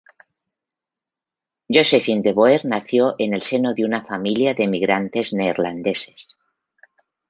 Josephine de Boer nació en el seno de una familia de emigrantes neerlandeses.